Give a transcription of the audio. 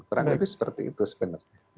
kurang lebih seperti itu sebenarnya